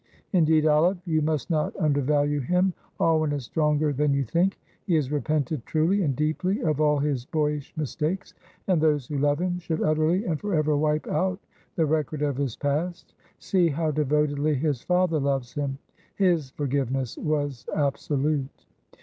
Indeed, Olive, you must not undervalue him. Alwyn is stronger than you think. He has repented truly and deeply of all his boyish mistakes, and those who love him should utterly and for ever wipe out the record of his past. See how devotedly his father loves him; his forgiveness was absolute."